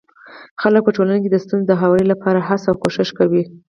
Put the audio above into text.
خلک په ټولنه کي د ستونزو د هواري لپاره هڅه او کوښښ کوي.